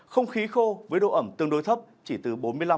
không khí khô với độ ẩm tương đối thấp chỉ từ bốn mươi năm năm mươi